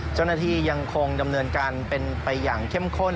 เจ้าหน้าที่ยังคงดำเนินการเป็นไปอย่างเข้มข้น